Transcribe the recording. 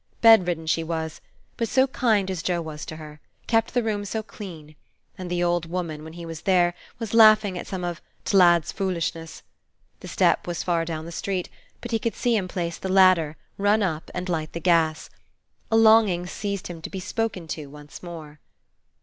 Bedridden she Was; but so kind as Joe was to her! kept the room so clean! and the old woman, when he was there, was laughing at some of "t' lad's foolishness." The step was far down the street; but he could see him place the ladder, run up, and light the gas. A longing seized him to be spoken to once more.